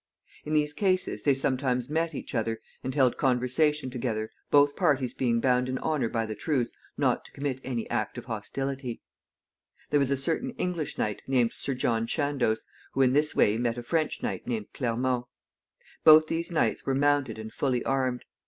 In these cases they sometimes met each other, and held conversation together, both parties being bound in honor by the truce not to commit any act of hostility. There was a certain English knight, named Sir John Chandos, who in this way met a French knight named Clermont. Both these knights were mounted and fully armed.